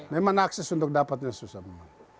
memang akses untuk dapatnya susah memang